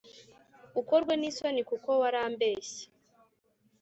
ukorwe n ‘isoni kuko warambeshye.